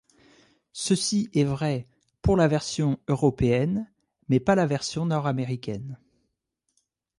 Ceci est vrai pour la version européenne mais pas la version Nord Américaine.